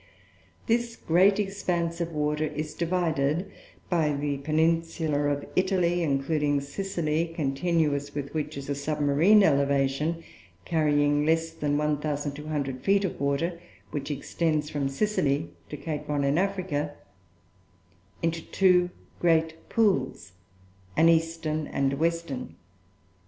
This great expanse of water is divided by the peninsula of Italy (including Sicily), continuous with which is a submarine elevation carrying less than 1,200 feet of water, which extends from Sicily to Cape Bon in Africa, into two great pools an eastern and a western.